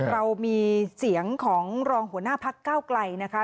เรามีเสียงของรองหัวหน้าพักเก้าไกลนะคะ